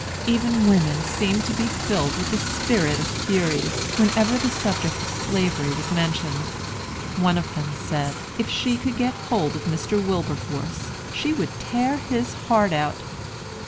Even women seemed to be filled with the spirit of Furies, whenever the subject of Slavery was mentioned. One of them said, if she could get hold of Mr. Wilberforce she would tear his heart out.